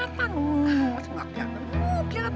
ah kenapa keliatan